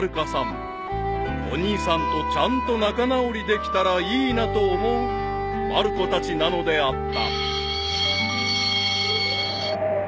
［お兄さんとちゃんと仲直りできたらいいなと思うまる子たちなのであった］